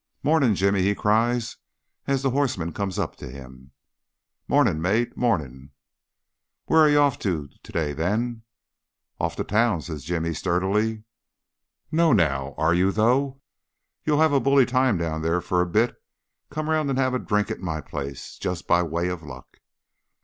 "Morning, Jimmy!" he cries, as the horseman comes up to him. "Morning, mate; morning!" "Where are ye off to to day then?" "Off to town," says Jimmy sturdily. "No, now are you though? You'll have bully times down there for a bit. Come round and have a drink at my place. Just by way of luck."